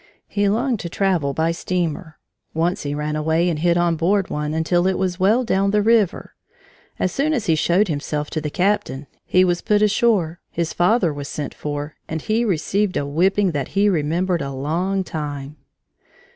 He longed to travel by steamer. Once he ran away and hid on board one until it was well down the river. As soon as he showed himself to the captain, he was put ashore, his father was sent for, and he received a whipping that he remembered a long time.